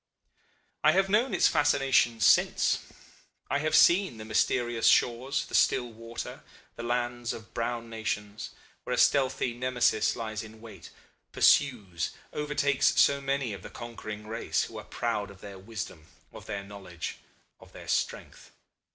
"I have known its fascination since: I have seen the mysterious shores, the still water, the lands of brown nations, where a stealthy Nemesis lies in wait, pursues, overtakes so many of the conquering race, who are proud of their wisdom, of their knowledge, of their strength.